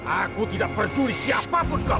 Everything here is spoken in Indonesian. aku tidak peduli siapa pun kau